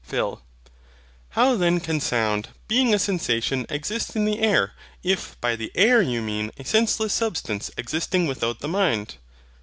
PHIL. How then can sound, being a sensation, exist in the air, if by the AIR you mean a senseless substance existing without the mind?